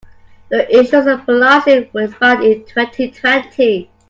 The insurance policy will expire in twenty-twenty.